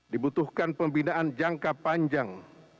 dibutuhkan pembinaan jangka panjang